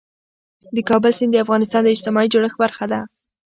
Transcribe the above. د کابل سیند د افغانستان د اجتماعي جوړښت برخه ده.